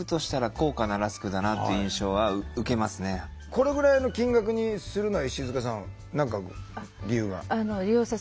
これぐらいの金額にするのは石塚さん何か理由が？